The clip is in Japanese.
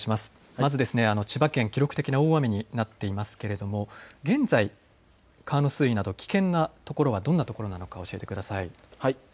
まず千葉県、記録的な大雨になっていますが現在、川の水位など危険なところはどんなところなのか教えてください。